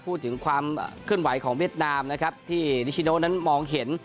พูดถึงความเคลื่อนไหวของเวียดนามนะครับที่นิชิโนนั้นมองเห็น